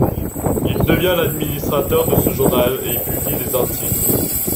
Il devient l'administrateur de ce journal et y publie des articles.